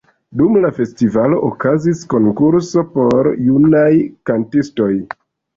Dum la festivalo okazas konkurso por junaj kantistoj.